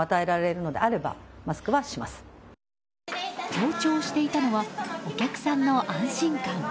強調していたのはお客さんの安心感。